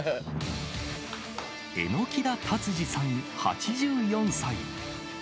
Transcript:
榎田達治さん８４歳。